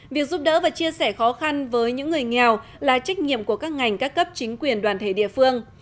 việc giúp đỡ và chia sẻ khó khăn với những người nghèo là trách nhiệm của các ngành các cấp chính quyền đoàn thể địa phương